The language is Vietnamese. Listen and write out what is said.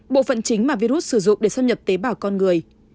bộ phận chính mà virus sử dụng để xâm nhập tế bào con người